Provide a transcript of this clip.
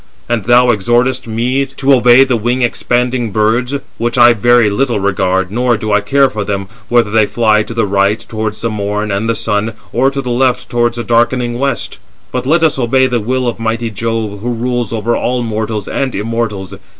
And thou exhortest me to obey the wing expanding birds; which I very little regard, nor do I care for them, whether they fly to the right towards the Morn and the Sun, or to the left towards the darkening west; but let us obey the will of mighty Jove, who rules over all mortals and immortals.